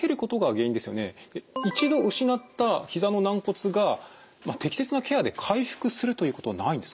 一度失ったひざの軟骨が適切なケアで回復するということはないんですか？